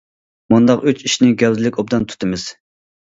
مۇنداق ئۈچ ئىشنى گەۋدىلىك ئوبدان تۇتىمىز.